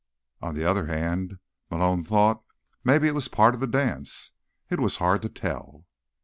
On the other hand, Malone thought, maybe it was part of the dance. It was hard to tell.